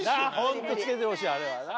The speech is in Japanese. ホント着けてほしいあれはな。